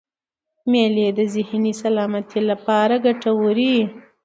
مېلې د ذهني سلامتۍ له پاره ګټوري يي.